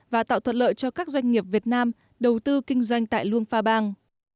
và tạo thuật lợi cho các doanh nghiệp việt nam đầu tư kinh doanh tại luông phra bang